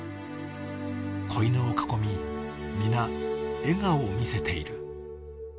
子犬を囲み、皆、笑顔を見せている。